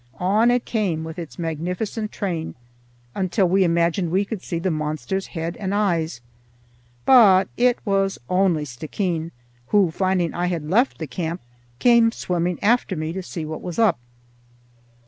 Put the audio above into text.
On it came with its magnificent train, until we imagined we could see the monster's head and eyes; but it was only Stickeen, who, finding I had left the camp, came swimming after me to see what was up.